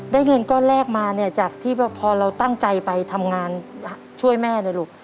เงินก้อนแรกมาเนี่ยจากที่พอเราตั้งใจไปทำงานช่วยแม่เนี่ยลูก